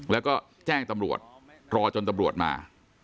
แล้วก็แจ้งตำรวจรอจนตำรวจมา